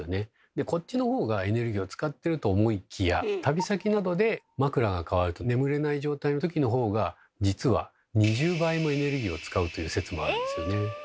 でこっちの方がエネルギーを使ってると思いきや旅先などで枕がかわると眠れない状態の時の方が実は２０倍もエネルギーを使うという説もあるんですよね。